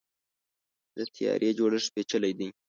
د طیارې جوړښت پیچلی دی.